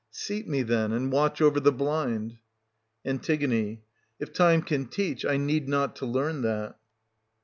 Seat me, then, and watch over the blind. An. If time can teach, I need not to learn that.